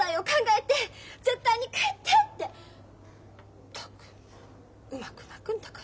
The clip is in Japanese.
ったくうまく泣くんだから。